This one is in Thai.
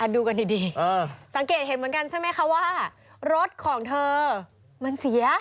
ดูกันดีสังเกตเห็นเหมือนกันใช่ไหมคะว่ารถของเธอมันเสีย